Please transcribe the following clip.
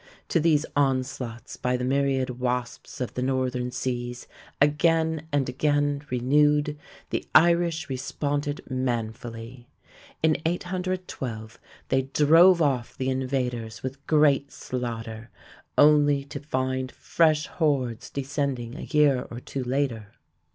To these onslaughts by the myriad wasps of the northern seas, again and again renewed, the Irish responded manfully. In 812 they drove off the invaders with great slaughter, only to find fresh hordes descending a year or two later.